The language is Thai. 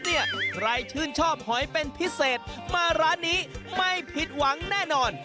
ใครชื่นชอบหอยเป็นพิเศษมาร้านนี้ไม่ผิดหวังแน่นอน